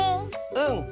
うん！